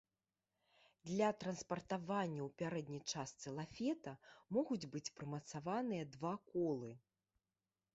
Для транспартавання ў пярэдняй частцы лафета могуць быць прымацаваныя два колы.